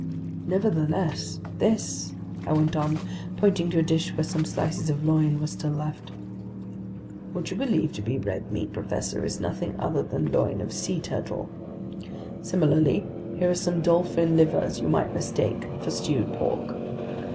"Nevertheless, this ...," I went on, pointing to a dish where some slices of loin were still left. "What you believe to be red meat, professor, is nothing other than loin of sea turtle. Similarly, here are some dolphin livers you might mistake for stewed pork.